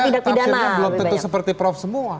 karena tafsirnya belum tentu seperti prof semua